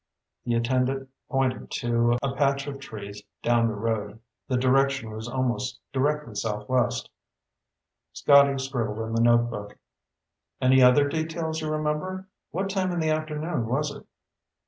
The attendant pointed to a patch of trees down the road. The direction was almost directly southwest. Scotty scribbled in the notebook. "Any other details you remember? What time in the afternoon was it?"